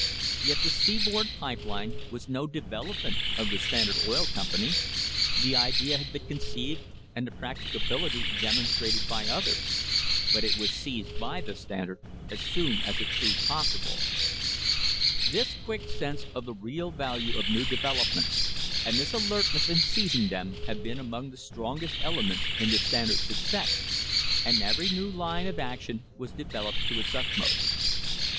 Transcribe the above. Yet the seaboard pipe line was no development of the Stand ard Oil Company. The idea had been conceived and the practicability demonstrated by others, but it was seized by the Standard as soon as it proved possible. This quick sense of the real value of new developments, and this alertness in seizing them, have been among the strongest elements in the Standard's success. And every new line of action was developed to its utmost.